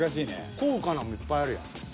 「高価な」もいっぱいあるやん。